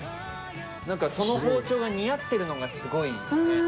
何かその包丁が似合ってるのがすごいね。